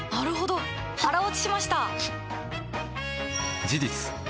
腹落ちしました！